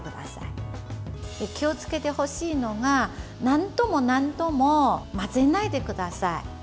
気をつけてほしいのが何度も何度も混ぜないでください。